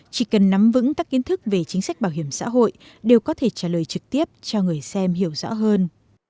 chỉ cần nắm vững các kiến thức về chính sách bảo hiểm xã hội đều có thể trả lời trực tiếp cho người xem hiểu rõ hơn